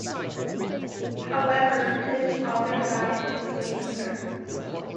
However, his father died the same year.